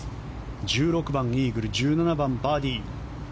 １６番、イーグル１７番、バーディー。